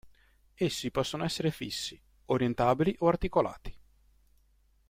Essi possono essere fissi, orientabili o articolati.